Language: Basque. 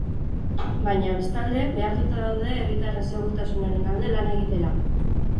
Baina, bestalde, behartuta daude herritarren segurtasunaren alde lan egitera.